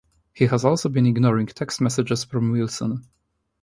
He has also been ignoring text messages from Wilson.